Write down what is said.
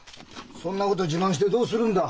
そんなこと自慢してどうするんだ？